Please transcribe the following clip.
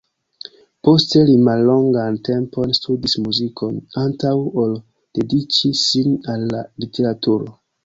Poste li mallongan tempon studis muzikon, antaŭ ol dediĉi sin al la literaturo.